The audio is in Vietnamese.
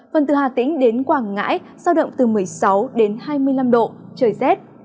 phần từ hà tĩnh đến quảng ngãi giao động từ một mươi sáu đến hai mươi năm độ trời rét